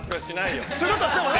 ◆するとしてもね。